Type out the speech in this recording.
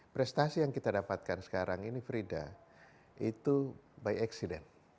prestasi yang kita dapatkan sekarang ini frida itu by accident